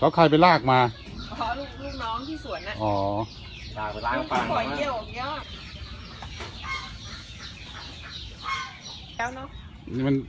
แล้วใครไปลากมาอ๋อลูกน้องที่สวนอ่ะอ๋อลากไปลากนี่มัน